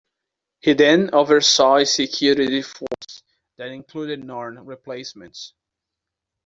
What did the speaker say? He then oversaw a security force that included Narn replacements.